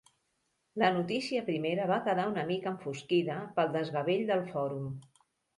La notícia primera va quedar una mica enfosquida pel desgavell del Fòrum.